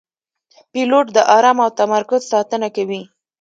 پیلوټ د آرام او تمرکز ساتنه کوي.